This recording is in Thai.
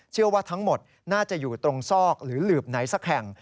เชื่อว่าทั้งหมดน่าจะอยู่ตรงซอกหรือหลืบไหนสักแห่ง